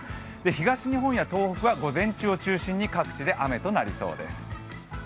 東日本や東北は午前中を中心に各地で雨となりそうです。